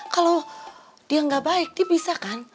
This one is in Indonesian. kalau dia nggak baik dia bisa kan